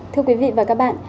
thưa quý vị và các bạn